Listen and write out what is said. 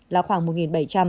là khoảng một bảy trăm linh